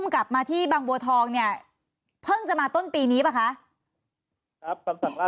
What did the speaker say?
ครับตั้งแต่ล่าสุดเลยครับ